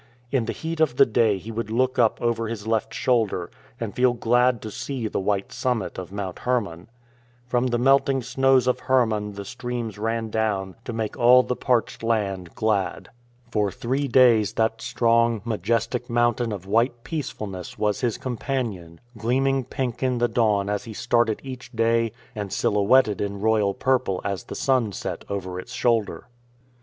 In the heat of the day he would look up over his left shoulder and feel glad to see the white summit of Mount Hermon. From the melting snows of Hermon the streams ran down to make all the THE GREAT ADVENTURE 79 parched land glad. For three days that strong, majestic mountain of white peacefulness was his com panion, gleaming pink in the dawn as he started each day and silhouetted in royal purple as the sun set over its shoulder.